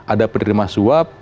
ada penerima suap